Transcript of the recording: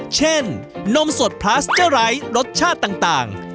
เช่นนมสดพลาสเจ้าร้ายรสชาติต่าง